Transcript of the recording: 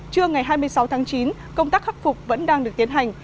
trưa ngày hai mươi sáu tháng chín công tác khắc phục vẫn đang được tiến hành